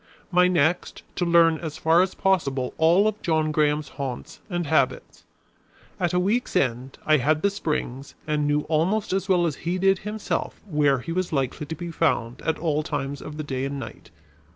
My next to learn as far as possible all of John Graham's haunts and habits. At a week's end I had the springs and knew almost as well as he did himself where he was likely to be found at all times of the day and night.